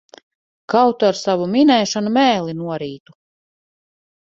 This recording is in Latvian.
Kaut tu ar savu minēšanu mēli norītu!